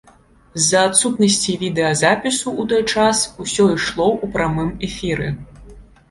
З-за адсутнасці відэазапісу ў той час, усё ішло ў прамым эфіры.